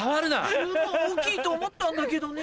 十分大きいと思ったんだけどね。